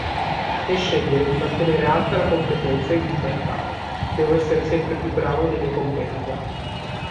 È scegliere di mantenere alta la competenza ed il mercato, devo essere sempre più bravo dei miei competitor.